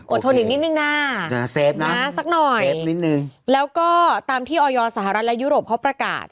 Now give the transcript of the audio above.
โอนโทนิกส์นิดนึงน่ะซักหน่อยแล้วก็ตามที่อยสหรัฐและยุโรปเขาประกาศ